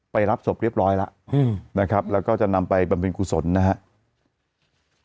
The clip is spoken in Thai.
ไปรับศพเรียบร้อยแล้วอืมนะครับแล้วก็จะนำไปบรรพินกุศลนะฮะ